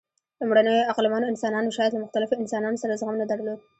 لومړنیو عقلمنو انسانانو شاید له مختلفو انسانانو سره زغم نه درلود.